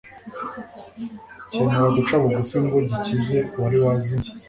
cyemera guca bugufi ngo gikize uwari wazimiye.